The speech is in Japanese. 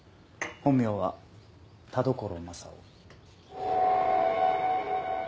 本名は田所柾雄。